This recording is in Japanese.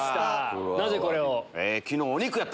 なぜこれを？